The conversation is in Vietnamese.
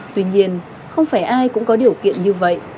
tuy nhiên không phải ai cũng có điều kiện như vậy